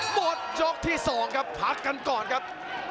หมดยกที่๒ครับพักกันก่อนครับ